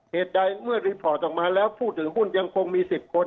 เหตุใดเมื่อรีพอร์ตออกมาแล้วผู้ถือหุ้นยังคงมี๑๐คน